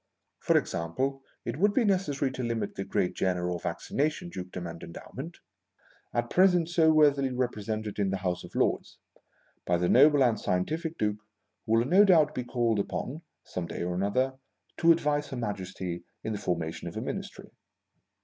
For example, it would be necessary to limit the gr?at Jenner or Vaccination Dukedom and endowment, at present so worthily represented in the House of Lords, by the noble and scientific Duke who will no doubt be called upon (some day or other) to advise Her Majesty in the formation of a Ministry.